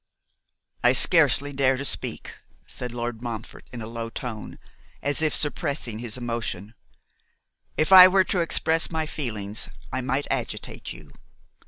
'I scarcely dare to speak,' said Lord Montfort, in a low tone, as if suppressing his emotion, 'if I were to express my feelings, I might agitate you.